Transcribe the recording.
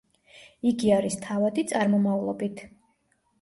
იგი არის თავადი წარმომავლობით.